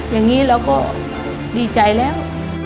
อย่างนี้เราก็ดีใจแล้ว